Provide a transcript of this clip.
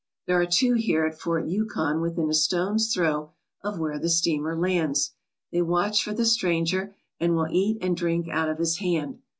There are two here at Fort Yukon within a stone's throw of where the steamer lands. They watch for the stranger and will eat and drink out of his hand.